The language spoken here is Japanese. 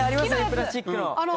プラスチックの。